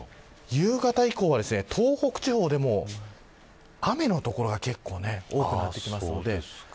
夕方以降は東北地方でも雨の所が結構多くなってきます。